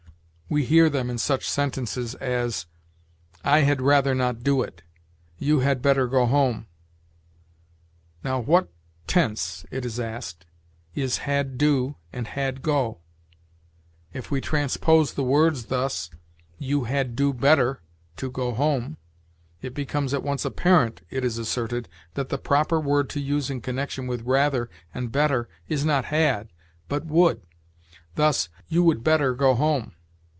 We hear them in such sentences as, "I had rather not do it," "You had better go home." "Now, what tense," it is asked, "is had do and had go?" If we transpose the words thus, "You had do better (to) go home," it becomes at once apparent, it is asserted, that the proper word to use in connection with rather and better is not had, but would; thus, "I would rather not do it," "You would better go home."